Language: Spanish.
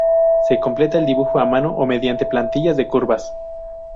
Se completa el dibujo a mano o mediante plantillas de curvas.